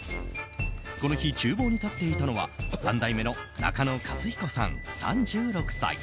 この日、厨房に立っていたのは３代目の中野和彦さん、３６歳。